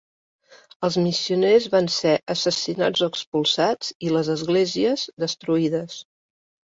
Els missioners van ser assassinats o expulsats, i les esglésies, destruïdes.